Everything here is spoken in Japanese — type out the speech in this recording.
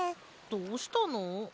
どうしたの？